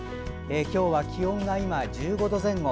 今日は気温が今、１５度前後。